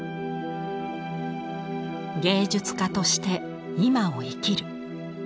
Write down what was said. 芸術家として今を生きる。